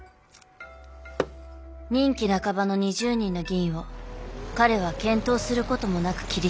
任期半ばの２０人の議員を彼は検討することもなく切り捨てた。